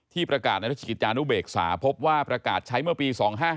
ประกาศในราชกิจจานุเบกษาพบว่าประกาศใช้เมื่อปี๒๕๕